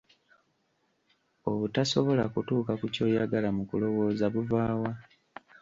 Obutasobola kutuuka ku ky'oyagala mu kulowoza buva wa?